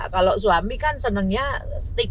kalau suami kan senangnya stick